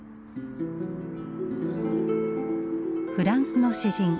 フランスの詩人